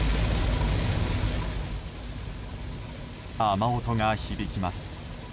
雨音が響きます。